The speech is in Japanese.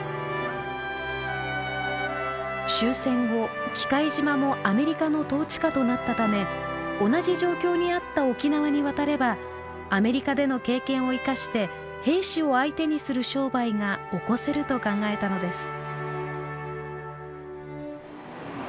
終戦後喜界島もアメリカの統治下となったため同じ状況にあった沖縄に渡ればアメリカでの経験を生かして兵士を相手にする商売が興せると考えたのです。